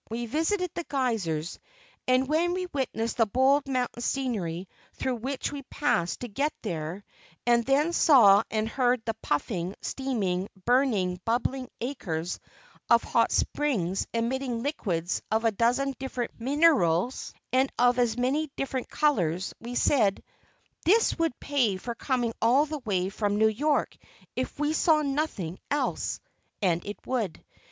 We visited "the Geysers," and when we witnessed the bold mountain scenery through which we passed to get there, and then saw and heard the puffing, steaming, burning, bubbling acres of hot springs emitting liquids of a dozen different minerals, and of as many different colors, we said, "This would pay for coming all the way from New York, if we saw nothing else," and it would.